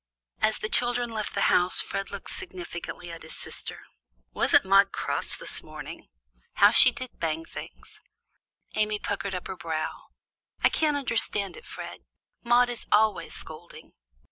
As the children left the house, Fred looked significantly at his sister. "Wasn't Maude cross this morning? How she did bang things!" Amy puckered up her brow. "I can't understand it, Fred. Maude is always scolding."